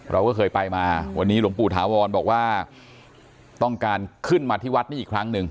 เราก็เคยไปมาวันนี้หลวงปู่ถาวรบอกว่าต้องการขึ้นมาที่วัดนี้อีกครั้งหนึ่ง